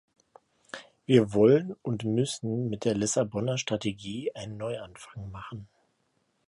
Wir wollen und müssen mit der Lissabonner Strategie einen Neuanfang machen.